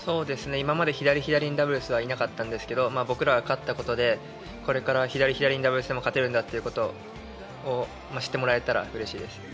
今まで左、左のダブルスはいなかったんですが僕らが勝ったことでこれから左、左のダブルスでも勝てるんだということを知ってもらえたらうれしいです。